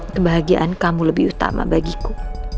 kebahagiaan kamu lebih utama bagiku